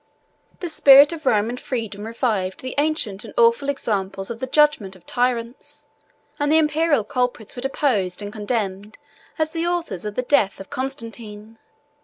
The spirit of Roman freedom revived the ancient and awful examples of the judgment of tyrants, and the Imperial culprits were deposed and condemned as the authors of the death of Constantine.